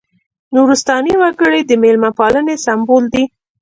نورستاني وګړي د مېلمه پالنې سمبول دي.